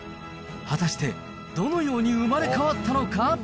果たしてどのように生まれ変わったのか。